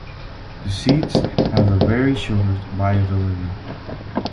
The seeds have a very short viability.